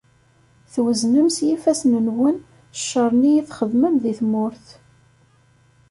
Twezznem s yifassen-nwen ccer-nni i txeddmem di tmurt.